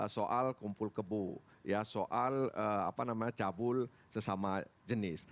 soal kumpul kebu ya soal cabul sesama jenis